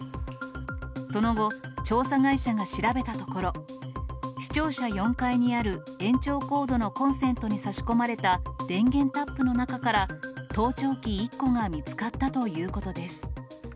その後、調査会社が調べたところ、市庁舎４階にある延長コードのコンセントに差し込まれた電源タップの中から盗聴器１個が見つかったということです。